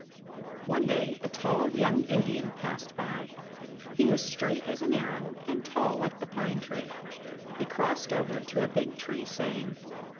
One day a tall young Indian passed by. He was straight as an arrow and tall like the pine tree. He crossed over to a big tree, saying.